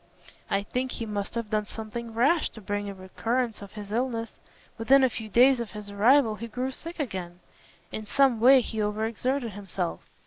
I think he must have done something rash to bring on a recurrence of his illness. Within a few days of his arrival he grew sick again. In some way he over exerted himself."